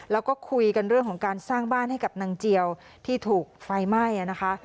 แล้วก็คุยกันเรื่องของการสร้างบ้านให้กับนางเจียวที่ถูกไฟไหม้นะคะ